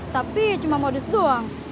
tapi cuma modus doang